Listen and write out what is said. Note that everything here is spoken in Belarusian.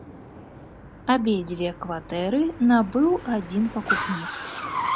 Абедзве кватэры набыў адзін пакупнік.